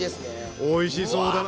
おいしそうだな！